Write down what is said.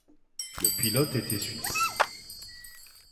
Le pilote était suisse.